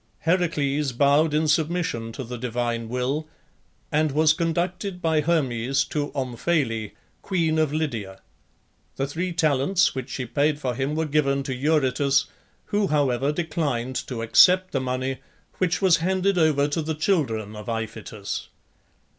Heracles bowed in submission to the divine will, and was conducted by Hermes to Omphale, queen of Lydia. The three talents which she paid for him were given to Eurytus, who, however, declined to accept the money, which was handed over to the children of Iphitus.